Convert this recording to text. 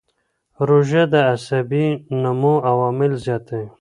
روژه د عصبي نمو عوامل زیاتوي.